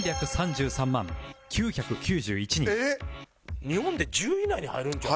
えっ！？日本で１０位以内に入るんちゃう？